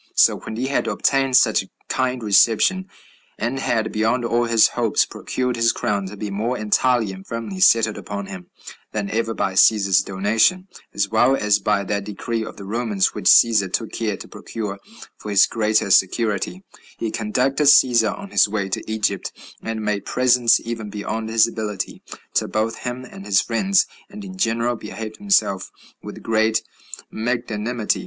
So when he had obtained such a kind reception, and had, beyond all his hopes, procured his crown to be more entirely and firmly settled upon him than ever by Cæsar's donation, as well as by that decree of the Romans, which Cæsar took care to procure for his greater security, he conducted Cæsar on his way to Egypt, and made presents, even beyond his ability, to both him and his friends, and in general behaved himself with great magnanimity.